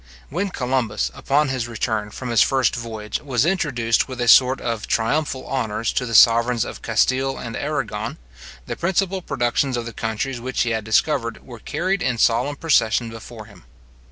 When Columbus, upon his return from his first voyage, was introduced with a sort of triumphal honours to the sovereigns of Castile and Arragon, the principal productions of the countries which he had discovered were carried in solemn procession before him.